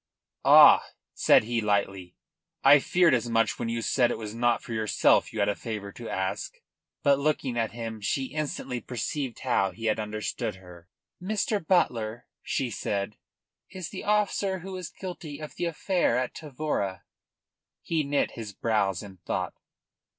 "Ah," said he lightly, "I feared as much when you said it was not for yourself you had a favour to ask." But, looking at him, she instantly perceived how he had misunderstood her. "Mr. Butler," she said, "is the officer who was guilty of the affair at Tavora." He knit his brow in thought.